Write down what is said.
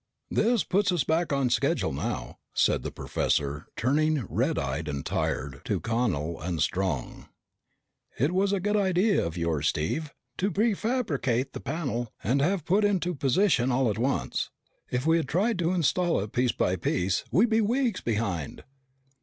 "This puts us back on schedule now," said the professor, turning, red eyed and tired, to Connel and Strong. "It was a good idea of yours, Steve, to prefabricate the panel and have it put into position all at once. If we had tried to install it piece by piece, we'd be weeks behind."